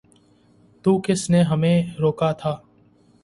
تو کس نے ہمیں روکا تھا؟